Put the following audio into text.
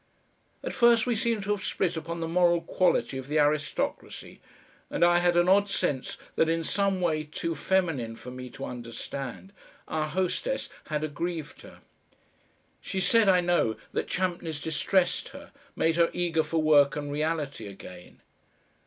At first we seem to have split upon the moral quality of the aristocracy, and I had an odd sense that in some way too feminine for me to understand our hostess had aggrieved her. She said, I know, that Champneys distressed her; made her "eager for work and reality again."